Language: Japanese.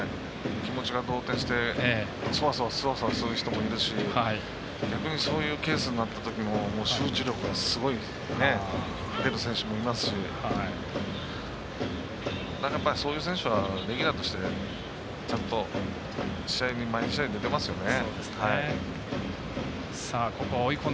気持ちが動転してそわそわする人もいるし逆にそういうケースになったときも集中力がすごい出る選手もいますしそういう選手はレギュラーとしてちゃんと、試合に毎試合出てますよね。